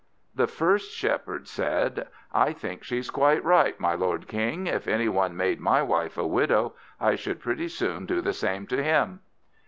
The first Shepherd said, "I think she is quite right, my lord King. If any one made my wife a widow, I would pretty soon do the same to him."